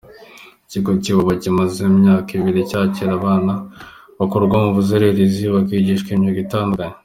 Ikigo cya Iwawa kimaze imyaka ibiri cyakira abana bakurwa mu buzererezi bakigishwa imyuga itandukanye.